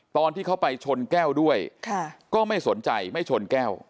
ตอนที่เขาไปชนแก้วด้วยก็ไม่สนใจไม่ชนแก้ว